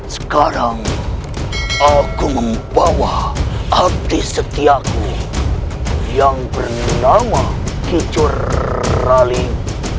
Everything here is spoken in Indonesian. sekarang aku membawa abdi setiaku yang bernama kicorraling